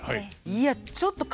いやちょっと多分。